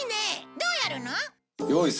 どうやるの？